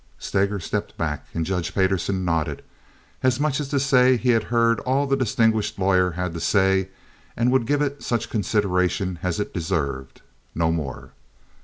Steger stepped back and Judge Payderson nodded, as much as to say he had heard all the distinguished lawyer had to say, and would give it such consideration as it deserved—no more.